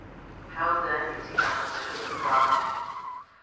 How then is he appre hended of God